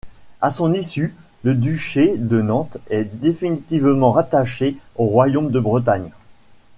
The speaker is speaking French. À son issue, le duché de Nantes est définitivement rattaché au royaume de Bretagne.